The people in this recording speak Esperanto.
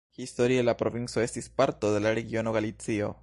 Historie la provinco estis parto de la regiono Galicio.